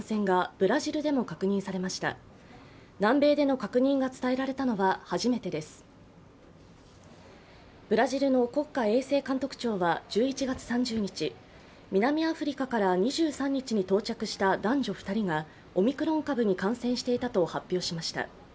ブラジルの国家衛生監督庁は１１月３０日、南アフリカから２３日に到着した男女２人がオミクロン株に感染していたと発表しました。